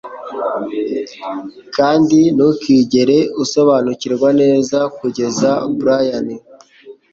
Kandi ntukigere usobanukirwa neza kugeza Bryan